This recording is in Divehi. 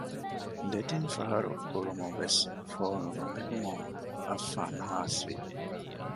ދެތިން ފަހަރު ގުޅުމުންވެސް ފޯނު ނުނެގުމުން އައްފާން ހާސް ވި